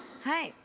はい。